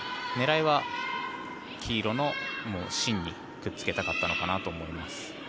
狙いは黄色の芯にくっつけたかったのかなと思います。